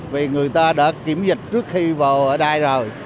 vì người ta đã kiểm dịch trước khi vào ở đây rồi